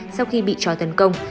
sau khi bị trói tấn công